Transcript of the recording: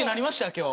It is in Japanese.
今日。